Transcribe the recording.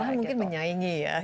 malah mungkin menyaingi ya